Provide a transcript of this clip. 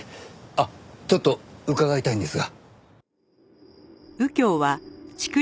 あっちょっと伺いたいんですが。